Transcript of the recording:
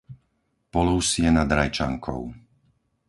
Poluvsie nad Rajčankou